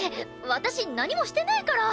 私何もしてないから！